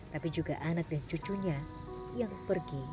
tapi juga anak dan cucunya yang pergi